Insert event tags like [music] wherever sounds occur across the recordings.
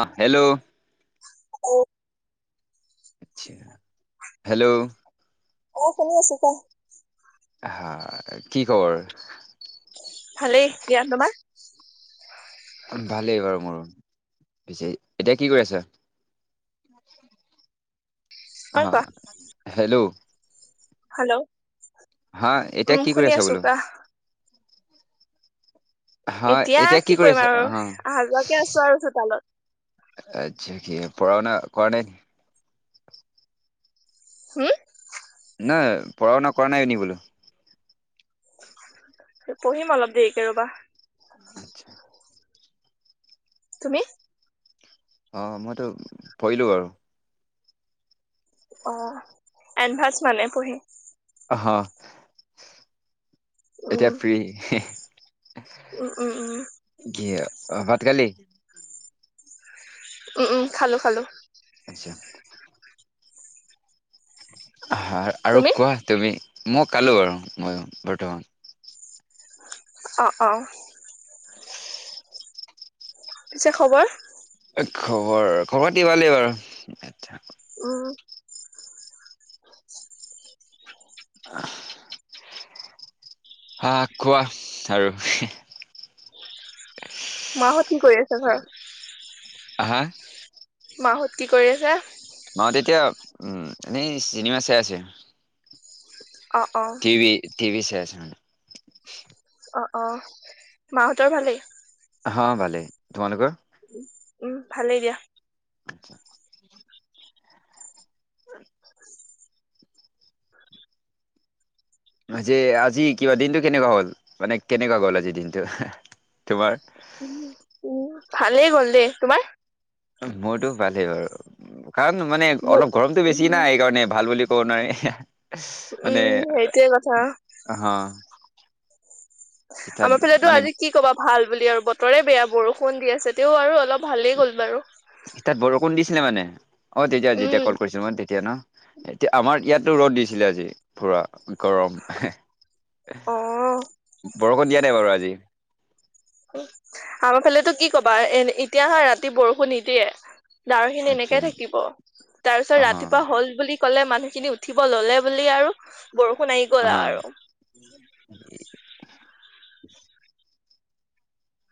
আহ হেল্ল'। অ'। হেল্ল'। অ, শুনি আছো ক হা কি খবৰ? ভালেই দিয়া। তোমাৰ? ভালেই বাৰু মোৰ পিছে, এতিয়া কি কৰি আছা? তোমাৰ কোৱা অ' হেল্ল'। হেল্ল' হা এতিয়া উম কি কৰি শুনি আছা আছো বোলো কোৱা। হয় এতিয়া কি কৰি কৰিম আছে আৰু আহ। অহা যোৱাকে আছো আৰু চোতালত আচ্ছা! কি পঢ়াশুনা কৰা নাই নেকি? হুম নহয় পঢ়া শুনা কৰা নাই এ বোলো। পঢ়িম অলপ দেৰিকে ৰবা। আচ্ছা তুমি? অ' মইতো পঢ়িলো বাৰু। অ'এনভাছ মানে পঢ়ি। অ' আহ উম, এতিয়া ফ্ৰী। উম উম উম। কি অ' ভাত খালী? উম উম খালো খালো। আচ্ছা। হ আৰু তুমি কোৱা তুমি মই কালো বাৰু মইও বৰ্তমান অ', অ'। [unintelligible] পিছে খবৰ? খবৰ খবৰতি ভালেই বাৰু উম। [unintelligible] হা কোৱা আৰু মাহত কি কৰি আছে ঘৰত? আহা। মাহত কি কৰি আছে? মাহত এতিয়া উম এনে চিনেমা চাই আছে। অ', অ', টিভি টিভি আছো অ অ মাহঁতৰ ভালেই হ ভালে তোমালোকৰ উম ভালেই দিয়া আতছা যে আজি কিবা দিনটো কেনেকোৱা হ'ল মানে কেনেকোৱা গ'ল আজি দিনটো তোমাৰ উ ভালেই গ'ল দেই তোমাৰ মোৰতো ভালেই বাৰু কাৰণ মানে মোৰ অলপ গৰমতটো বেছি না উম, এইকাৰণে ভাল বুলি কৰ নাই মানে উম, সেইটোৱে কথা অ আমাৰ ফালেটো আজি কি ক'বা ভাল বুলি আৰু বতৰে বেয়া বৰষুণ দি আছে তেও আৰু অলপ ভালেই গ'ল বাৰু। তাত বৰষুণ দিছিলে মানে অ তেতিয়া উম। যেতিয়া কল কৰিছিলো মই তেতিয়া ন এতিয়া আমাৰ ইয়াতটো ৰ'দ দিছিলে আজি পুৰা গৰম অ', বৰষুণ দিয়া নাই বাৰু আজি আমাৰ ফালেটো কি কবা এ এতিয়া হয় ৰাতি বৰষুণ নিদিয়ে দাওৰ খিনি আচ্ছা এনেকে থাকিব তাৰ পিছত ৰাতিপুৱা হল বুলি কলে মানুহখিনি উঠ উঠিব ললে বুলি আৰু বৰষুণ আহি গলা আৰু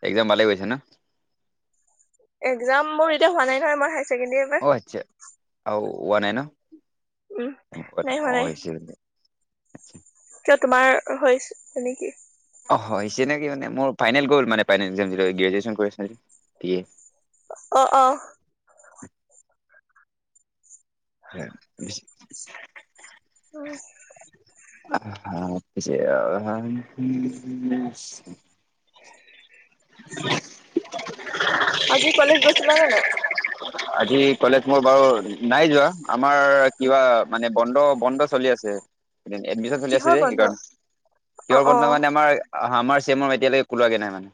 একদম ভালে‌ গৈছে ন একজাম মোৰ এতিয়া হোৱা নাই নহয় মই হায় ছেকেণ্ডেৰীৰ অ আচ্ছা পৰা আৰু ৱ নাই ন উম। নাই হোৱা নাই কিয় তোমাৰ হৈ নেকি অ হৈছে নেকি মানে মোৰ ফাইনেল গ'ল মানে ফাইনেলৰ যিটো গৃজিওচেন কৰিছিলো অ অ এতিয়া বেছি [inaudible] [unintelligible] [unintelligible] আজি কলেজ গৈছিলা নে নাই আজি কলেজ মোৰ বাৰু নাই যোৱা আমাৰ কিবা মানে বন্ধ বন্ধ চলি আছে এডমিশন চলি আছে কিহৰ যে বন্ধ সেইকাৰণে অ', কিহৰ বন্ধ অ', মানে আমাৰ আহ আমাৰ চেমৰ এতিয়ালৈকে কোলোৱাগে নাই মানে।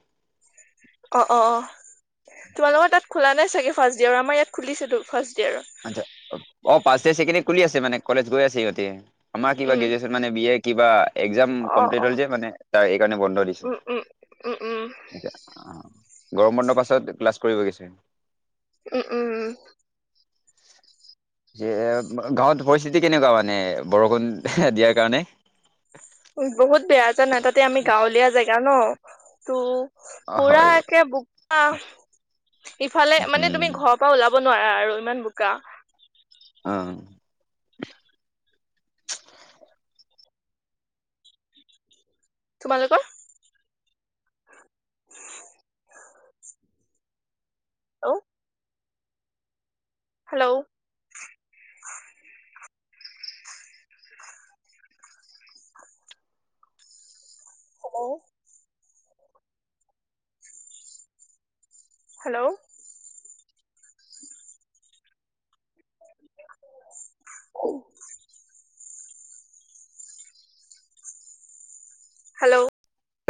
অ অ অ তোমালোকৰ তাত খোলা নাই চাগে ফাৰ্ষ্ট্ইয়াৰৰ আমাৰ ইয়াত খুলিছেটো ফাৰ্ষ্ট ইয়েৰত আচ্ছা অ ফাষ্টইয়াৰখিনি খুলি আছে মানে কলেজ গৈ আছে সিহঁতি। আমাৰ কিবা উম গ্ৰেজুৱেচন মানে বি এ কিবা একজাম অ কমপ্লিট অ হ'ল যে মানে তাৰ এই কাৰণে বন্ধ দিছে। উম উম উম উম এতিয়া আহ গৰম বন্ধৰ পাছত ক্লাছ কৰিব গৈছে উম উম উম [unintelligible] গাঁৱত পৰিস্থিতি কেনেকুৱা মানে বৰষুণ দিয়াৰ কাৰণে বহুত বেয়া জানা তাতে আমি গাঁৱলীয়া জেগা ন ত অ পুৰা হয় একে বোকা ইফালে মানে উম তুমি ঘৰৰ পৰা ওলাব নোৱাৰা আৰু ইমান বোকা অ তোমালোকৰ? হেল্লো হেল্লো হেল্লো হেল্লো সৰু হেল্লো